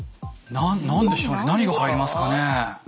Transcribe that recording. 何でしょうね何が入りますかね？